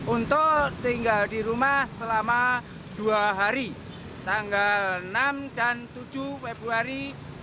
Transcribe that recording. untuk tinggal di rumah selama dua hari tanggal enam dan tujuh februari dua ribu dua puluh